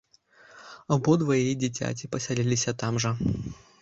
Абодва яе дзіцяці пасяліліся там жа.